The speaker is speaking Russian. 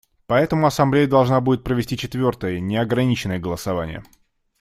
Поэтому Ассамблея должна будет провести четвертое неограниченное голосование.